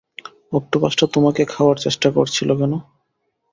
অক্টোপাসটা তোমাকে খাওয়ার চেষ্টা করছিল কেন?